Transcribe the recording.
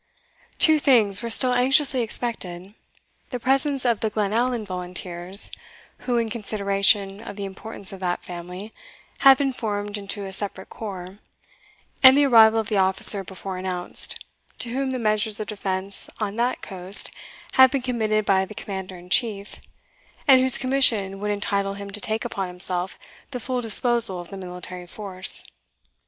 Two things were still anxiously expected the presence of the Glenallan volunteers, who, in consideration of the importance of that family, had been formed into a separate corps, and the arrival of the officer before announced, to whom the measures of defence on that coast had been committed by the commander in chief, and whose commission would entitle him to take upon himself the full disposal of the military force.